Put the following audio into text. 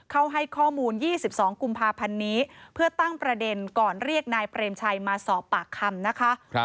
ให้ข้อมูล๒๒กุมภาพันธ์นี้เพื่อตั้งประเด็นก่อนเรียกนายเปรมชัยมาสอบปากคำนะคะ